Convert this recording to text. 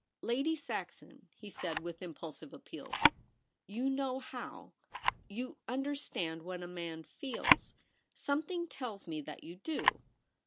* Lady Saxon,' he said, with Impulsive appeal, * you know how — you understand what a man feels — something tells me that you do.